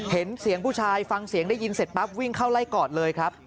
เห็นเสียงผู้ชายฟังเสียงได้ยินเสร็จปั๊บวิ่งเข้าไล่กอดเลยครับ